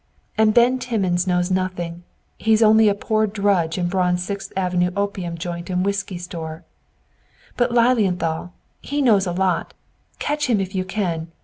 And Ben Timmins knows nothing. He's only a poor drudge in Braun's Sixth Avenue opium joint and whisky store." "But Lilienthal, he knows a lot! Catch him if you can!